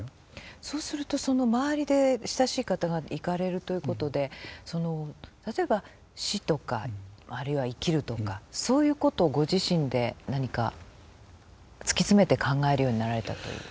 そうするとその周りで親しい方が逝かれるということで例えば死とかあるいは生きるとかそういうことをご自身で何か突き詰めて考えるようになられたと。